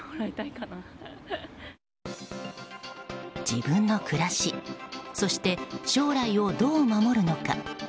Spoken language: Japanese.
自分の暮らしそして将来をどう守るのか。